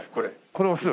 これ押す？